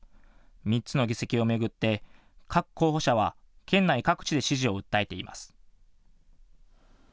３つの議席を巡って、各候補者は県内各地で支持を訴えています。